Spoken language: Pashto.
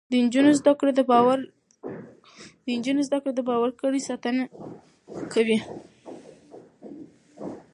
د نجونو زده کړه د باور کړۍ ساتنه کوي.